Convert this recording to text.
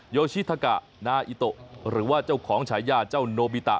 โยชิทากะนาอิโตหรือว่าเจ้าของฉายาเจ้าโนบิตะ